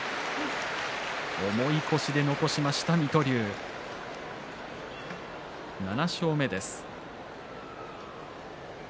重い腰で残しました水戸龍７勝目です。